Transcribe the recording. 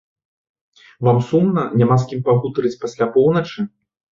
Вам сумна, няма з кім пагутарыць пасля поўначы?